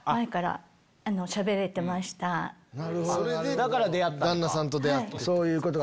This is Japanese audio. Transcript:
だから出会ったんか。